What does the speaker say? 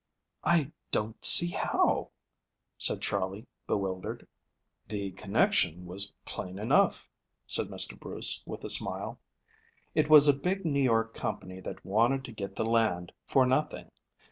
"I don't see how," said Charley bewildered. "The connection was plain enough," said Mr. Bruce, with a smile. "It was a big New York company that wanted to get the land for nothing.